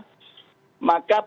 maka pemerintah akan berkata